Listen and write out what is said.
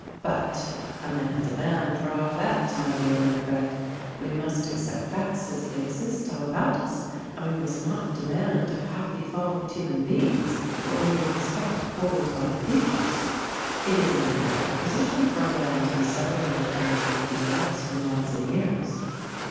But "A man's a man for a' that," my dear Winifred. We must accept facts as they exist all about us, and we must not demand of half evolved human beings what we would expect of wholly divine creatures. It is an unnatural position for a man to be separated from the wife he loves for months and years.